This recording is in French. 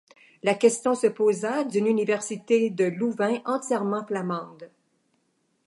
La question se posa d'une université de Louvain entièrement flamande.